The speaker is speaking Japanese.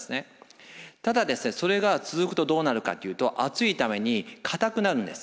ただそれが続くとどうなるかというと厚いために硬くなるんです。